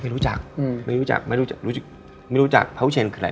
รู้จักอืมไม่รู้จักไม่รู้จักรู้จักไม่รู้จักพระวิเชนคืออะไร